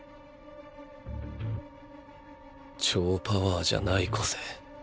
超パワーじゃない個性